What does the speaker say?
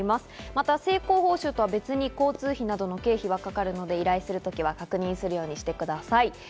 まだ成功報酬とは別に交通費などの経費はかかるので依頼するときは確認するようにしてください。